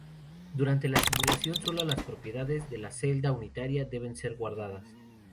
Durante la simulación sólo las propiedades de la celda unitaria deben ser guardadas.